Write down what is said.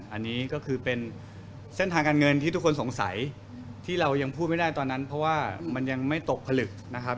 อันนี้ก็คือเป็นเส้นทางการเงินที่ทุกคนสงสัยที่เรายังพูดไม่ได้ตอนนั้นเพราะว่ามันยังไม่ตกผลึกนะครับ